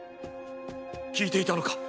聞いていたのか？